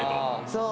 そう。